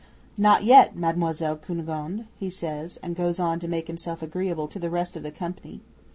'"Not yet, Mademoiselle Cunegonde," he says, and goes on to make himself agreeable to the rest of the company.